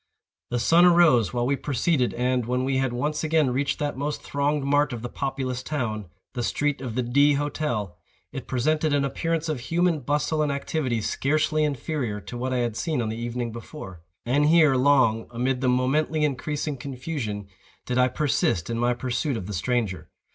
The sun arose while we proceeded, and, when we had once again reached that most thronged mart of the populous town, the street of the D—— Hotel, it presented an appearance of human bustle and activity scarcely inferior to what I had seen on the evening before. And here, long, amid the momently increasing confusion, did I persist in my pursuit of the stranger.